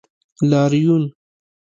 لاریون